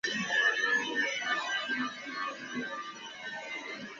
后为了开发东京横滨电铁经营的梅园与建设大仓精神文化研究所而更名。